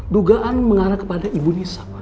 dugaan mengarah kepada ibu nisa